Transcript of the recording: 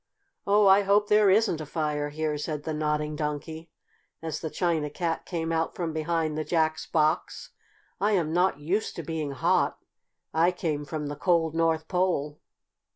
"Oh, I hope there isn't a fire here," said the Nodding Donkey, as the China Cat came out from behind the Jack's box. "I am not used to being hot. I came from the cold North Pole."